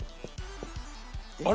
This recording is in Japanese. あれ？